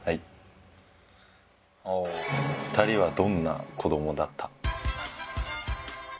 ２人はどんな子供だった？